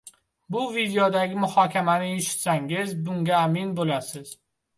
Bu videodagi muhokamani eshitsangiz, bunga amin bo‘lasiz.